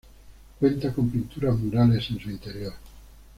Cuenta con pinturas murales en su interior.